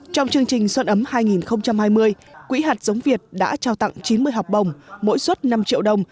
trong chương trình xuân ấm hai nghìn hai mươi quỹ hạt giống việt đã trao tặng chín mươi học bồng mỗi suất năm triệu đồng